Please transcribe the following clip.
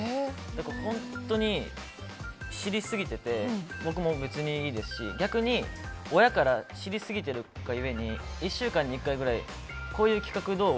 本当に知りすぎてて僕も別にいいですし逆に親が知りすぎているうえに１週間に１回ぐらいこういう企画どう？